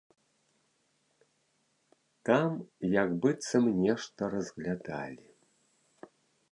Там як быццам нешта разглядалі.